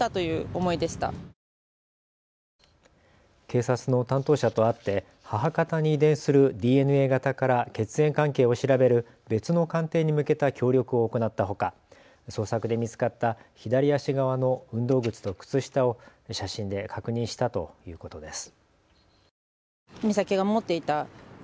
警察の担当者と会って母方に遺伝するＤＮＡ型から血縁関係を調べる別の鑑定に向けた協力を行ったほか捜索で見つかった左足側の運動靴と靴下を写真で確認したということです。